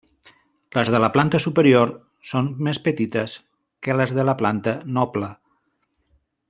Les de la planta superior són més petites que les de la planta noble.